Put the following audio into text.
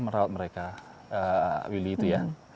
merawat mereka willy itu ya